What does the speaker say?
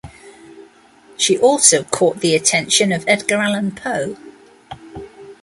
She also caught the attention of Edgar Allan Poe.